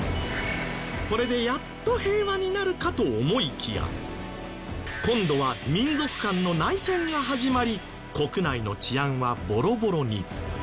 これでやっと平和になるかと思いきや今度は民族間の内戦が始まり国内の治安はボロボロに。